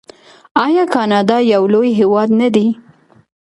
آیا کاناډا یو لوی هیواد نه دی؟